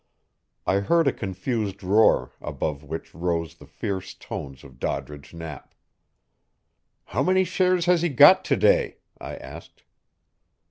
I heard a confused roar, above which rose the fierce tones of Doddridge Knapp. "How many shares has he got to day?" I asked.